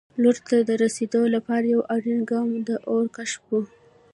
لوړو ته د رسېدو لپاره یو اړین ګام د اور کشف و.